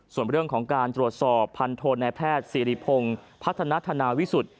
ส่วนเรื่องของการตรวจสอบพันโทนายแพทย์สิริพงศ์พัฒนาธนาวิสุทธิ์